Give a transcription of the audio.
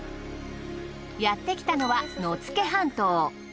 やってきたのは野付半島。